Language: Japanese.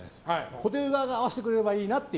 ホテル側が合わせてくれればいいなと。